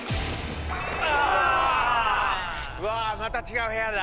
わあまた違う部屋だ。